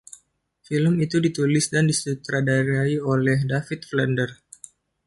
Film itu ditulis dan disutradarai oleh David Flander.